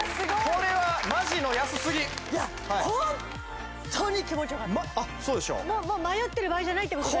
これはマジの安すぎホントに気持ちよかったあっそうでしょもう迷ってる場合じゃないってことだね